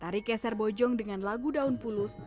tari keser bojong dengan lagu daun pulus